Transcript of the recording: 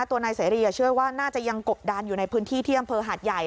ตัวนายเสรีเชื่อว่าน่าจะยังกบดานอยู่ในพื้นที่ที่อำเภอหาดใหญ่